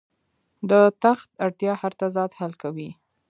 د تخت اړتیا هر تضاد حل کوي.